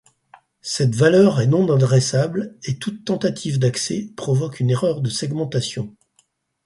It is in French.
Cette valeur est non adressable et toute tentative d'accès provoque une erreur de segmentation.